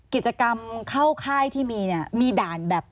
กิจกรรมเข้าค่ายที่มีเนี่ยมีด่านแบบ